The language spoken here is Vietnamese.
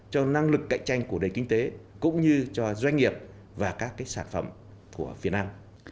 cho năng lực cạnh tranh của đầy kinh tế cũng như cho doanh nghiệp và các sản phẩm của việt nam